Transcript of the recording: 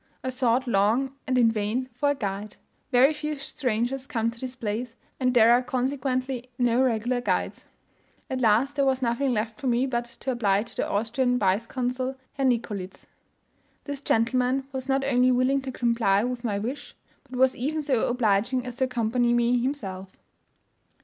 I sought long and in vain for a guide: very few strangers come to this place, and there are consequently no regular guides. At last there was nothing left for me but to apply to the Austrian Vice consul, Herr Nicolits. This gentleman was not only willing to comply with my wish, but was even so obliging as to accompany me himself.